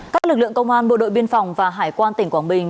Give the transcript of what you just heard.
các lực lượng công an bộ đội biên phòng và hải quan tỉnh quảng bình